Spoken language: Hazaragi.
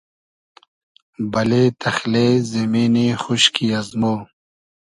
بئلې تئخلې زیمینی خوشکی ازمۉ